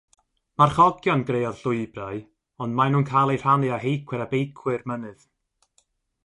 Marchogion greodd llwybrau ond maen nhw'n cael eu rhannu â heicwyr a beicwyr mynydd.